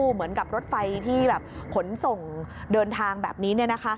เหมือนกับรถไฟที่แบบขนส่งเดินทางแบบนี้